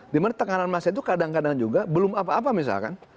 dimana tekanan massa itu kadang kadang juga belum apa apa misalkan